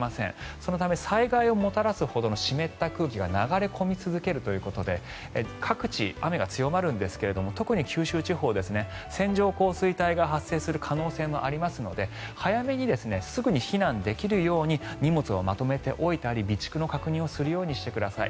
そのため、災害をもたらすほどの湿った空気が流れ込み続けるということで各地、雨が強まるんですが特に九州地方線状降水帯が発生する可能性もありますので早めにすぐに避難できるように荷物をまとめておいたり備蓄の確認をするようにしてください。